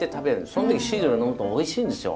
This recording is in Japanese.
その時シードル呑むとおいしいんですよ。